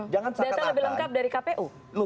data lebih lengkap dari kpu